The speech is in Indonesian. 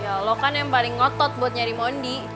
ya lo kan yang paling ngotot buat nyari mondi